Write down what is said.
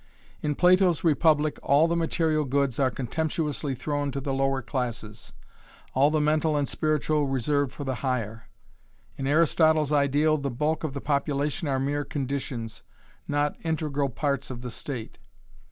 In Plato's Republic all the material goods are contemptuously thrown to the lower classes, all the mental and spiritual reserved for the higher. In Aristotle's ideal the bulk of the population are mere conditions, not integral parts of the state.